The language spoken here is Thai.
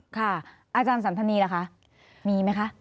อาจารย์สันธนีล่ะคะมีไหมคะ